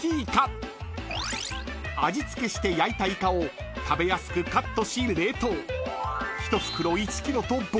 ［味付けして焼いたイカを食べやすくカットし冷凍］